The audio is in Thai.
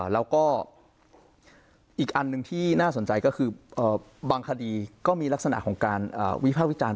แล้วก็อีกอันหนึ่งที่น่าสนใจก็คือบางคดีก็มีลักษณะของการวิภาควิจารณ